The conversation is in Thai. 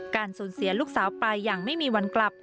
สูญเสียลูกสาวไปอย่างไม่มีวันกลับ